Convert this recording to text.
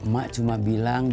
mak cuma bilang belom